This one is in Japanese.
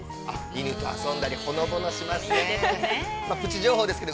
◆犬と遊んだりほのぼのしますね。